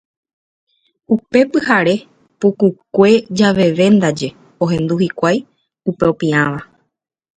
Upe pyhare pukukue javeve ndaje ohendu hikuái upe opiãva.